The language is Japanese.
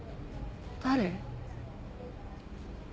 「誰？」？